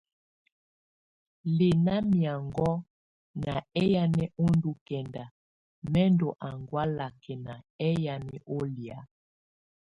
Lɛna miaŋgɔ̀á ná ɛyanɛ ɔ́ ndù kɛnda, mɛ̀ ndɔ̀ angɔ̀á lakɛna ɛyanɛ ù lɛ̀á.